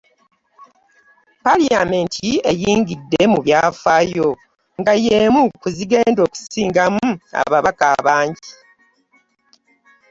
Paliyamenti eyingidde ebyafaayo ng’emu ku zigenda okusingamu ababaka abangi.